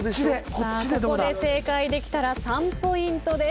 ここで正解できたら３ポイントです。